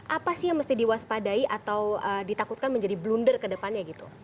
apa sih yang mesti diwaspadai atau ditakutkan menjadi blunder ke depannya gitu